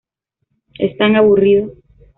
Es tan aburrido".